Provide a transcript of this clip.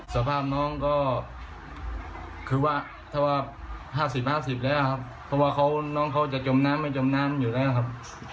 สภาพน้องก็คือว่าถ้าว่า๕๐๕๐แล้วครับเพราะว่าน้องเขาจะจมน้ำไม่จมน้ำอยู่แล้วนะครับ